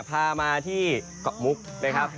พามาที่เกาะมุกนะครับ